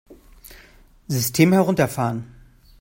System herunterfahren!